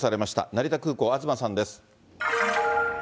成田空港、東さんです。